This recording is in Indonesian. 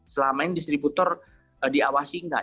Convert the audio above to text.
selama ini distributor diawasi nggak